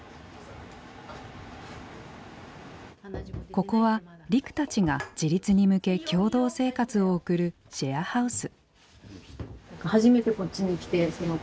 ここはリクたちが自立に向け共同生活を送るシェアハウス。